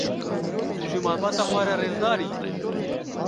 Tu ji malbata xwe re rêzdar î?